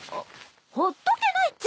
ほっとけないっちゃ！